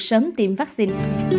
sớm tiêm vaccine